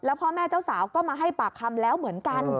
พ่อแม่เจ้าสาวก็มาให้ปากคำแล้วเหมือนกัน